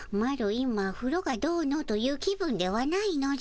今ふろがどうのという気分ではないのじゃ。